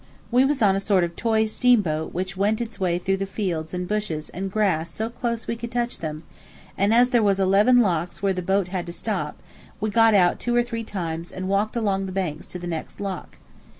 We was on a sort of a toy steamboat which went its way through the fields and bushes and grass so close we could touch them; and as there was eleven locks where the boat had to stop, we got out two or three times and walked along the banks to the next lock.